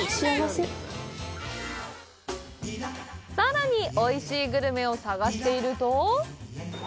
さらにおいしいグルメを探していると。